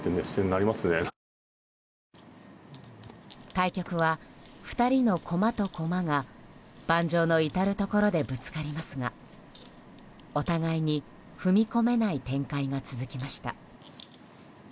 対局は２人の駒と駒が盤上の至るところでぶつかりますがお互いに踏み込めない展開が続きました。